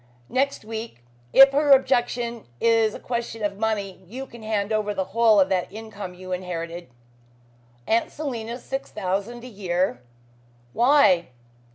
"Next week. If her objection is a question of money, you can hand over the whole of that income you have inherited." "Aunt Selina's six thousand a year! Why?"